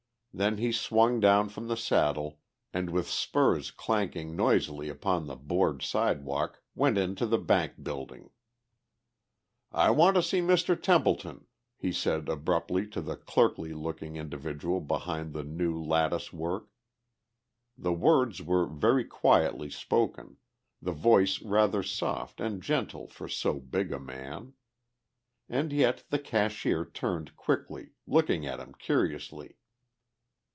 Then he swung down from the saddle and with spurs clanking noisily upon the board sidewalk went into the bank building. "I want to see Mr. Templeton," he said abruptly to the clerkly looking individual behind the new lattice work. The words were very quietly spoken, the voice rather soft and gentle for so big a man. And yet the cashier turned quickly, looking at him curiously.